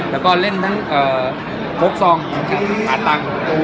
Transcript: แล้วก็เล่นทั้งโฟคซองง์อาตัง